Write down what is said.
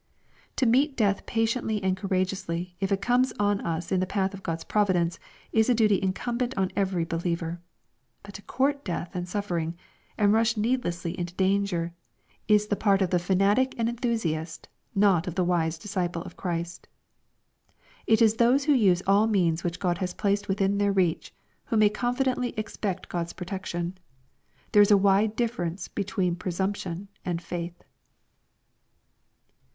To meet death patiently and courageously, if it comes on us in the path of God's providence, is a duty incumbent on every believer. But to court death and suffering, and rush needlessly into danger, is the part of the fanatic and enthusiast not of the wise disciple of Christ. It is those who use all means which God has placed within /iheir reach, who may confidently expect God^s protection. There is a wide difference between presumption and faith.